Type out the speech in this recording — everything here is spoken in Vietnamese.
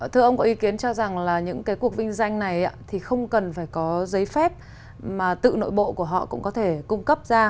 thưa ông có ý kiến cho rằng là những cái cuộc vinh danh này thì không cần phải có giấy phép mà tự nội bộ của họ cũng có thể cung cấp ra